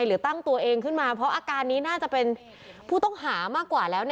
หรือตั้งตัวเองขึ้นมาเพราะอาการนี้น่าจะเป็นผู้ต้องหามากกว่าแล้ว